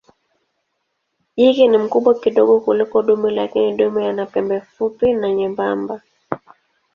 Jike ni mkubwa kidogo kuliko dume lakini dume ana pembe fupi na nyembamba.